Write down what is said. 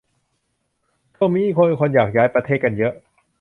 ช่วงนี้มีคนอยากย้ายประเทศกันเยอะ